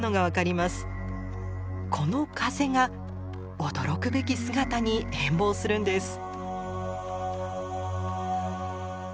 この風が驚くべき姿に変貌するんです。